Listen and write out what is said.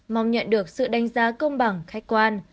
mong nhận được sự đánh giá công bằng khách quan